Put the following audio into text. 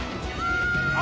あ！